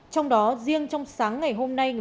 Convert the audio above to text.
trong đó riêng trong sáng ngày hôm nay